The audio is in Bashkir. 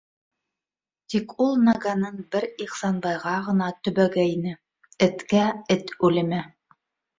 Тик ул наганын бер Ихсанбайға ғына төбәгәйне: эткә эт үлеме.